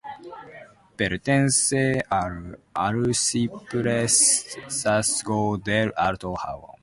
Pertenece al Arciprestazgo del Alto Jalón.